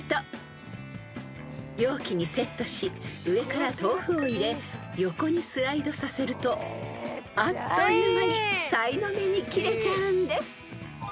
［容器にセットし上から豆腐を入れ横にスライドさせるとあっという間にさいの目に切れちゃうんです］